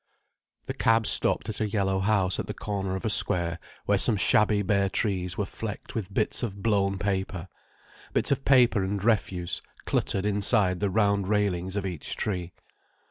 The cab stopped at a yellow house at the corner of a square where some shabby bare trees were flecked with bits of blown paper, bits of paper and refuse cluttered inside the round railings of each tree.